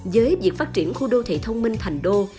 với việc phát triển khu đô thị thông minh thành đô